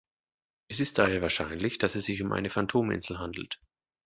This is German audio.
Es ist daher wahrscheinlich dass es sich um eine Phantominsel handelt.